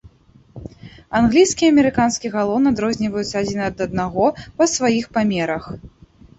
Англійскі і амерыканскі галон адрозніваюцца адзін ад аднаго па сваіх памерах.